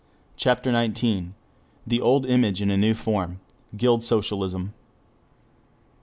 CHAPTER XIX THE OLD IMAGE IN A NEW FORM: GUILD SOCIALISM.